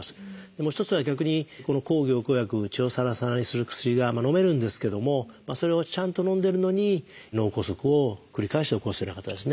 もう一つは逆にこの抗凝固薬血をサラサラにする薬がのめるんですけどもそれをちゃんとのんでるのに脳梗塞を繰り返して起こすような方ですね